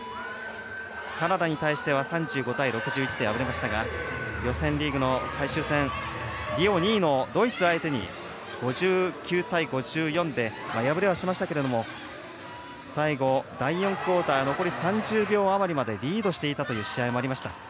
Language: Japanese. カナダに対しては３５対６１で敗れましたが予選リーグの最終戦リオ２位のドイツイ相手に５９対５４で敗れはしましたけれども最後、第４クオーター残り３０秒あまりまでリードしていたという試合までありました。